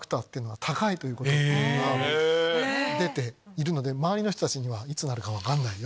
出てるので周りの人にはいつなるか分からないよ！